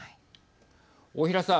大平さん。